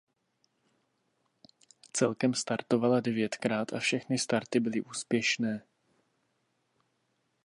Celkem startovala devětkrát a všechny starty byly úspěšné.